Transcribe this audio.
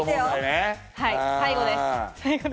最後です。